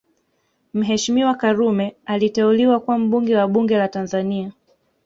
Mheshimiwa Karume aliteuliwa kuwa mbunge wa bunge la Tanzania